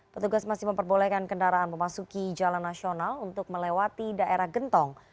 petugas masih memperbolehkan kendaraan memasuki jalan nasional untuk melewati daerah gentong